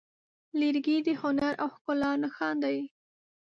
لرګی د هنر او ښکلا نښان دی.